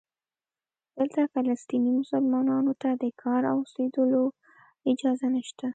دلته فلسطینی مسلمانانو ته د کار او اوسېدلو اجازه نشته.